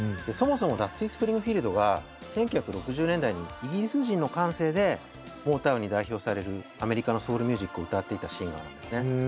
そもそもダスティ・スプリングフィールドが１９６０年代にイギリス人の感性でモータウンに代表されるアメリカのソウルミュージックを歌っていたシンガーなんですね。